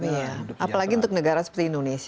iya apalagi untuk negara seperti indonesia